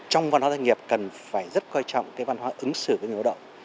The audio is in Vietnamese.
trong văn hóa doanh nghiệp cần phải rất quan trọng văn hóa ứng xử với người đồng